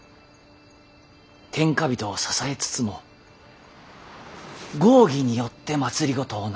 天下人を支えつつも合議によって政をなす。